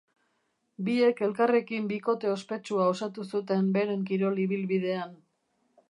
Biek elkarrekin bikote ospetsua osatu zuten beren kirol ibilbidean.